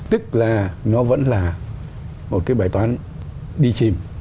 tức là nó vẫn là một cái bài toán đi chìm